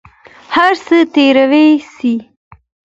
هر څه تېروى سي.